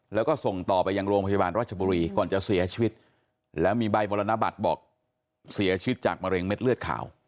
แล้วก็ส่งต่อไปยังโรงพยาบาลราชบุรีก่อนจะเสียชีวิตแล้วมีใบมรณบัตรบอกเสียชีวิตจากมะเร็งเม็ดเลือดขาว